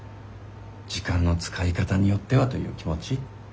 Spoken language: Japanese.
時間の使い方によってはという気持ち。